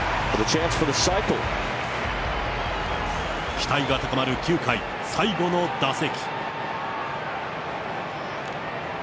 期待が高まる９回、最後の打席。